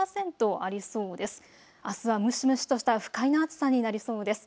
あすは蒸し蒸しとした不快な暑さになりそうです。